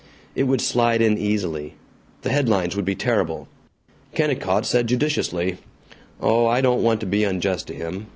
It would slide in easily. The headlines would be terrible. Kennicott said judiciously, "Oh, I don't want to be unjust to him.